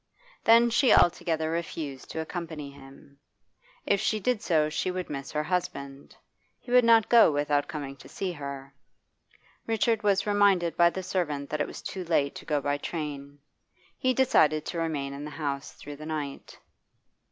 Then she altogether refused to accompany him. If she did so she would miss her husband; he would not go without coming to see her. Richard was reminded by the servant that it was too late to go by train. He decided to remain in the house through the night.